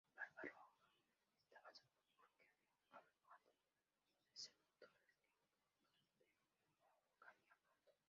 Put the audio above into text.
Barbarroja estaba seguro, por lo que habían afirmado los desertores, que Castelnuovo caería pronto.